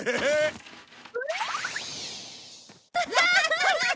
ハハハハ！